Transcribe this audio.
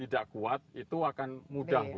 tidak kuat itu akan mudah